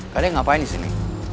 kalian ngapain di sini